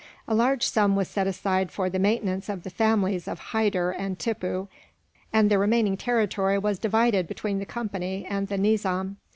A large sum was set aside for the maintenance of the families of Hyder and Tippoo, and the remaining territory was divided between the Company and the Nizam.